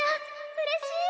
うれしい！